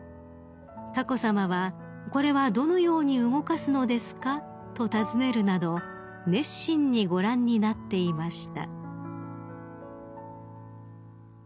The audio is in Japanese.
［佳子さまは「これはどのように動かすのですか？」と尋ねるなど熱心にご覧になっていました］